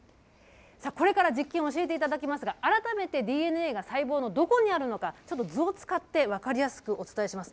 さあ、これから実験を教えていただきますが、改めてＤＮＡが細胞のどこにあるのか、ちょっと図を使って、分かりやすくお伝えします。